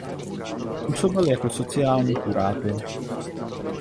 Působil jako sociální kurátor.